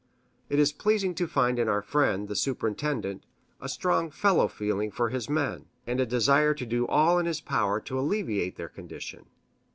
It is pleasing to find in our friend, the superintendent, a strong fellow feeling for his men, and a desire to do all in his power to alleviate their condition.